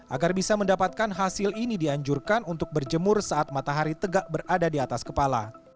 agar bisa mendapatkan hasil ini dianjurkan untuk berjemur saat matahari tegak berada di atas kepala